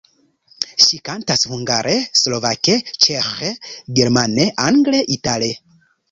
Ŝi kantas hungare, slovake, ĉeĥe, germane, angle, itale.